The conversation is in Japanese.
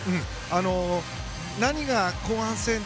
何が後半戦